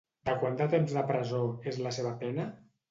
De quant de temps de presó és la seva pena?